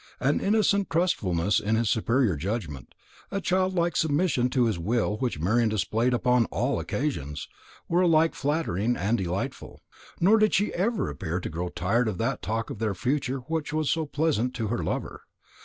An innocent trustfulness in his superior judgment, a childlike submission to his will which Marian displayed upon all occasions, were alike flattering and delightful. Nor did she ever appear to grow tired of that talk of their future which was so pleasant to her lover.